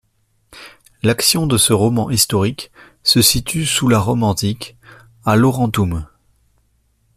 L'action de ce roman historique se situe sous la Rome antique, à Laurentum.